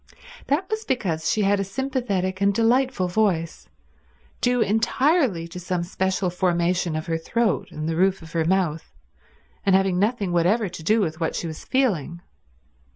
That was because she had a sympathetic and delightful voice, due entirely to some special formation of her throat and the roof of her mouth, and having nothing whatever to do with what she was feeling.